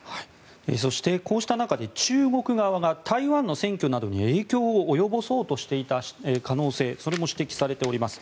そして、こうした中で中国側が台湾の選挙などに影響を及ぼそうとしていた可能性それも指摘されております。